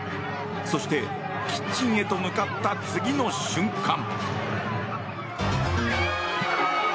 そして、キッチンへと向かった次の瞬間。